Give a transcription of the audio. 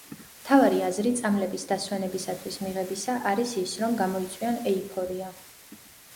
მთავარი აზრი წამლების დასვენებისათვის მიღებისა არის ის რომ გამოიწვიონ ეიფორია.